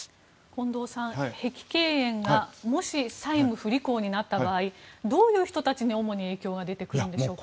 近藤さん、碧桂園がもし債務不履行になった場合主に、どういう人たちに影響が出るんでしょうか。